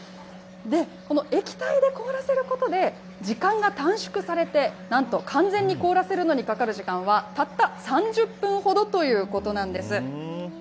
この液体で凍らせることで、時間が短縮されて、なんと完全に凍らせるのにかかる時間は、たった３０分ほどということなんです。